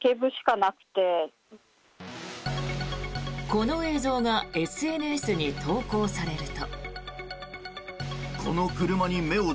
この映像がＳＮＳに投稿されると。